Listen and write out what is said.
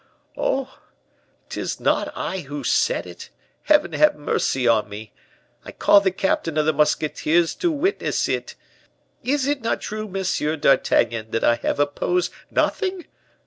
Oh, 'tis not I who said it, Heaven have mercy on me. I call the captain of the musketeers to witness it! Is it not true, Monsieur d'Artagnan, that I have opposed nothing?"